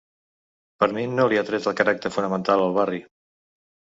Per mi no li ha tret el caràcter fonamental al barri.